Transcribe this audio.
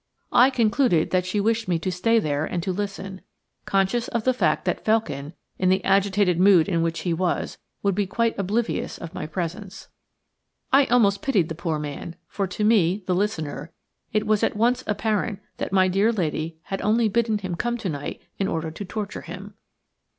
I concluded that she wished me to stay there and to listen, conscious of the fact that Felkin, in the agitated mood in which he was, would be quite oblivious of my presence. I almost pitied the poor man, for to me–the listener–it was at once apparent that my dear lady had only bidden him come to night in order to torture him.